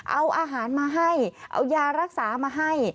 เอาอาหารมาให้เอายารักษามาให้